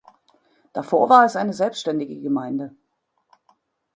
Davor war es eine selbständige Gemeinde.